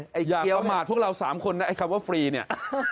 ให้เกี๊ยวบอกประมาทพวกเราสามคนคำว่าฟรีนี่